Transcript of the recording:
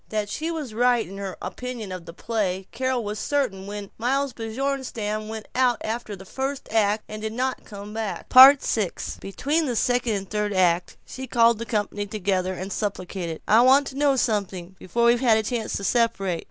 That she was right in her opinion of the play Carol was certain when Miles Bjornstam went out after the first act, and did not come back. VI Between the second and third acts she called the company together, and supplicated, "I want to know something, before we have a chance to separate.